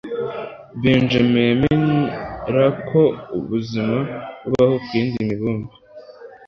benjamin yemera ko ubuzima bubaho ku yindi mibumbe